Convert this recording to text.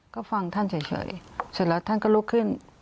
ก็ฟังท่านเฉยเสร็จแล้วท่านก็ลุกขึ้น